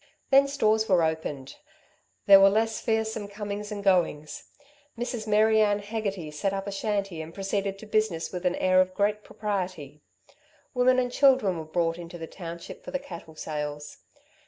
Then stores were opened. There were less fearsome comings and goings. Mrs. Mary Ann Hegarty set up a shanty and proceeded to business with an air of great propriety. Women and children were brought into the township for the cattle sales.